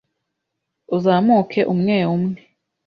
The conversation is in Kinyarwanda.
uzamuke umwe umwe,